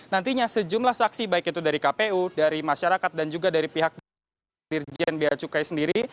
nantinya sejumlah saksi baik itu dari kpu dari masyarakat dan juga dari pihak dirjen bia cukai sendiri